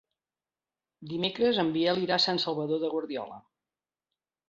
Dimecres en Biel irà a Sant Salvador de Guardiola.